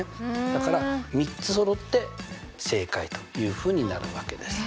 だから３つそろって正解というふうになるわけです。